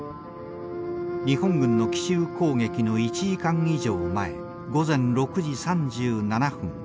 日本軍の奇襲攻撃の１時間以上前午前６時３７分